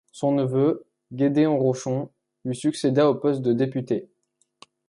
Son neveu, Gédéon Rochon, lui succéda au poste de député.